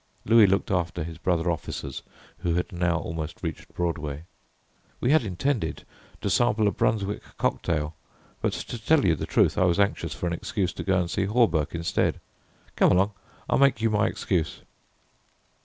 Louis looked after his brother officers who had now almost reached Broadway. "We had intended to sample a Brunswick cocktail, but to tell you the truth I was anxious for an excuse to go and see Hawberk instead. Come along, I'll make you my excuse."